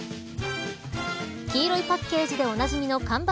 黄色いパッケージでおなじみの看板